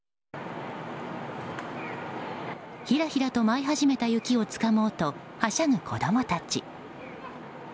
ひらひらと舞い始めた雪をつかもうとはしゃぐ子供たち。